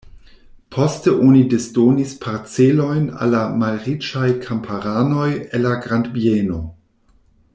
Poste oni disdonis parcelojn al la malriĉaj kamparanoj el la grandbieno.